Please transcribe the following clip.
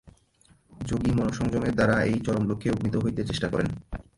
যোগী মনঃসংযমের দ্বারা এই চরম লক্ষ্যে উপনীত হইতে চেষ্টা করেন।